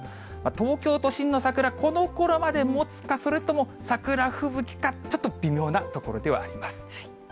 東京都心の桜、このころまでもつか、それとも桜吹雪か、ちょっと微妙なところではあります。